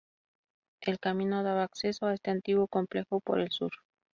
El camino daba acceso a este antiguo complejo por el sur.